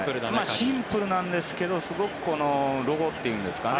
シンプルなんですけどすごくロゴというんですかね